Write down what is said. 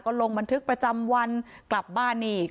ลงบันทึกประจำวันกลับบ้านอีก